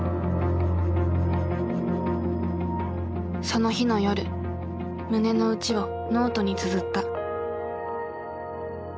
その日の夜胸の内をノートにつづった。